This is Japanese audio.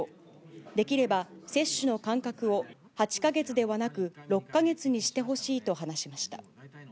できれば接種の間隔を８か月ではなく、６か月にしてほしいと話しました。